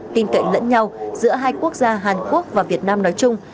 tin cậy lẫn nhau giữa hai quốc gia hàn quốc và việt nam nói chung